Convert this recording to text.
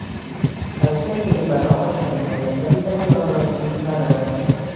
از شکل این بنا خوشم میآید ولی رنگ آن را دوست ندارم.